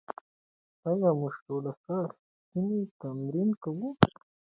ایا موږ ټول ساه اخیستنې تمرین کوو؟